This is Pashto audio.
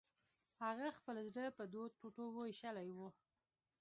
هغه خپل زړه په دوو ټوټو ویشلی و